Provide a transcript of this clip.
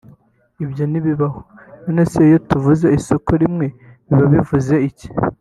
ibyo ntibibaho none se iyo tuvuze isoko rimwe biba bivuze iki